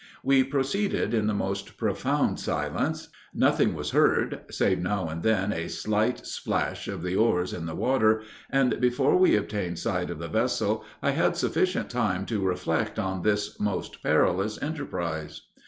We proceeded in the most profound silence; nothing was heard, save now and then a slight splash of the oars in the water, and, before we obtained sight of the vessel, I had sufficient time to reflect on this most perilous enterprise.